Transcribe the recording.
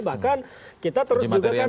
bahkan kita terus juga kan